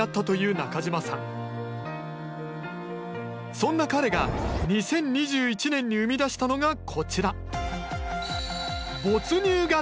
そんな彼が２０２１年に生み出したのがこちら。